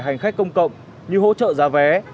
hành khách công cộng như hỗ trợ giá vé